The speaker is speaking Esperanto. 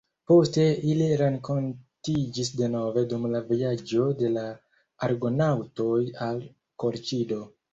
Poste ili renkontiĝis denove dum la vojaĝo de la argonaŭtoj al Kolĉido.